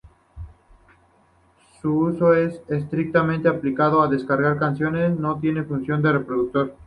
Su uso era estrictamente aplicado a descargar canciones, no tenía función de reproductor.